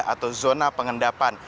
atau zona pengendapan